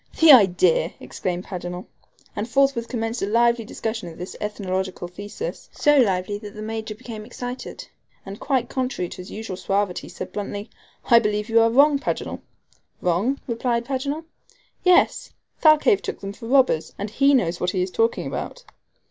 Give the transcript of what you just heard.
"The idea!" exclaimed Paganel. And forthwith commenced a lively discussion of this ethnological thesis so lively that the Major became excited, and, quite contrary to his usual suavity, said bluntly: "I believe you are wrong, Paganel." "Wrong?" replied Paganel. "Yes. Thalcave took them for robbers, and he knows what he is talking about."